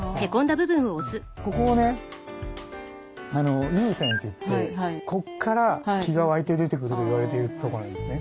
ここをね「湧泉」といってここから気が湧いて出てくると言われているところなんですね。